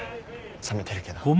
冷めてるけど。